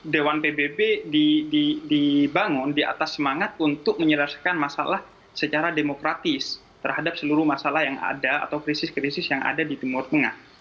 dewan pbb dibangun di atas semangat untuk menyelesaikan masalah secara demokratis terhadap seluruh masalah yang ada atau krisis krisis yang ada di timur tengah